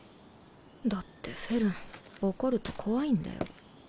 だってフェルン怒ると怖いんだよ。